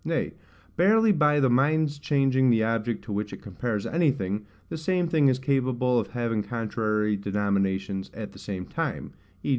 Nay, barely by the mind's changing the object to which it compares anything, the same thing is capable of having contrary denominations at the same time: v.